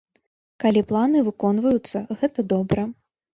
Калі планы выконваюцца, гэта добра.